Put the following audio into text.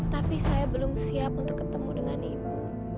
tapi saya belum siap untuk ketemu dengan ibu